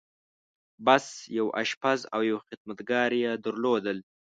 بس! يو آشپز او يو خدمتګار يې درلود.